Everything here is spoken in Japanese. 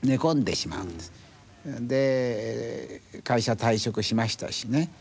で会社退職しましたしね。